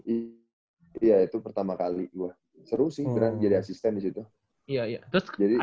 iya itu pertama kali gue seru sih beneran jadi asisten di situ iya iya